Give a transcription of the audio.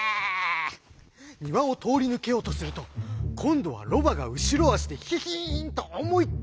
にわをとおりぬけようとするとこんどはロバがうしろあしでヒヒンとおもいっきりけとばしました。